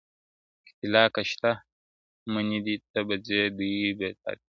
که طلا که شته منۍ دي ته به ځې دوی به پاتیږي؛